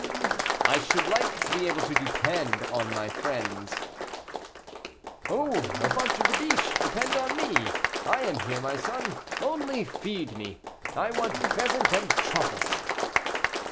"I should like to be able to depend on my friends." "Oh! ventre de biche, depend upon me; I am here, my son, only feed me. I want pheasant and truffles."